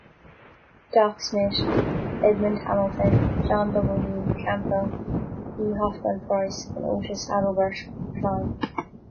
"Doc" Smith, Edmond Hamilton, John W. Campbell, E. Hoffmann Price, and Otis Adelbert Kline.